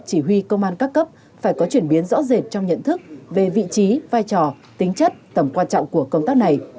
chỉ huy công an các cấp phải có chuyển biến rõ rệt trong nhận thức về vị trí vai trò tính chất tầm quan trọng của công tác này